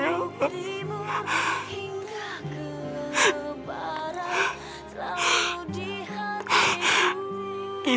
hingga kebarang selalu di hatimu